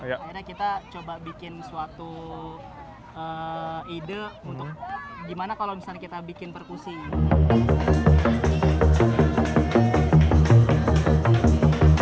akhirnya kita coba bikin suatu ide untuk gimana kalau misalnya kita bikin perkusi